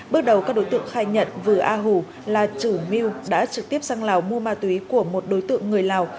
bước đầu các đối tượng khai nhận vừa a hù là chủ mưu đã trực tiếp sang lào mua ma túy của một đối tượng người lào